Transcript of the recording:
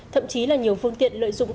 thậm chí là nhiều phương tiện lợi dụng